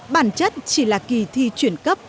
bản chất chỉ là kỳ thi chuyển cấp